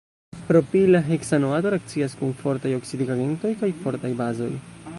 Propila heksanoato reakcias kun fortaj oksidigagentoj kaj fortaj bazoj.